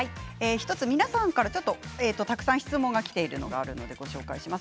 皆さんからたくさん質問がきているのがありますのでご紹介します。